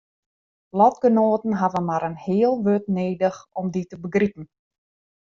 Lotgenoaten hawwe mar in heal wurd nedich om dy te begripen.